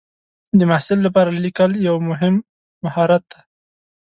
د محصل لپاره لیکل یو مهم مهارت دی.